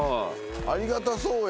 ありがたそうやん。